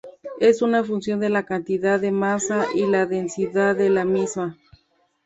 Es una función de la cantidad de masa y la densidad de la misma.